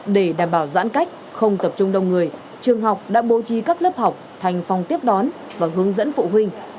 để đảm bảo giãn cách không tập trung đông người trường học đã bố trí các lớp học thành phòng tiếp đón và hướng dẫn phụ huynh